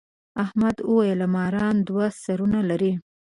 احمد وويل: ماران دوه سرونه لري.